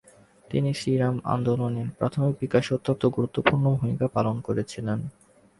তিনি শ্রীরামকৃষ্ণ আন্দোলনের প্রাথমিক বিকাশে অত্যন্ত গুরুত্বপূর্ণ ভূমিকা পালন করেছিলেন।